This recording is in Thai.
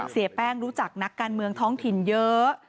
เสียแป้งรู้จักนักการเมืองท้องถิ่นเยอะ